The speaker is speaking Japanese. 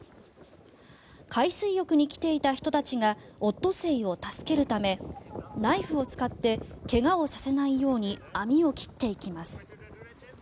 海水浴に来ていた人たちがオットセイを助けるためナイフを使って怪我をさせないように網を切っていきます。